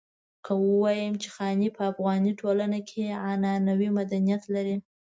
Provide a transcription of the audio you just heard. که ووايم چې خاني په افغاني ټولنه کې عنعنوي مدنيت لري.